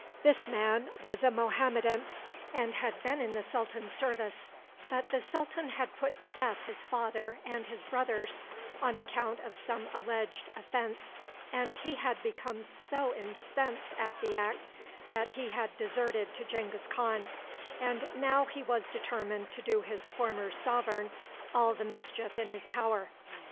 This man was a Mohammedan, and had been in the sultan's service; but the sultan had put to death his father and his brothers on account of some alleged offense, and he had become so incensed at the act that he had deserted to Genghis Khan, and now he was determined to do his former sovereign all the mischief in his power.